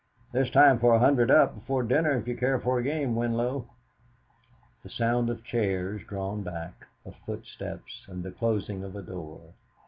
There's time for a hundred up before dinner if you care for a game, Winlow?" The sound of chairs drawn back, of footsteps, and the closing of a door.